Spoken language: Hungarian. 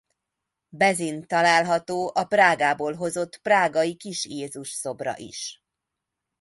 Bezin található a Prágából hozott prágai Kis Jézus szobra is.